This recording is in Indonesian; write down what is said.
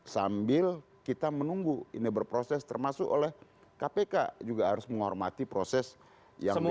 sambil kita menunggu ini berproses termasuk oleh kpk juga harus menghormati proses yang muncul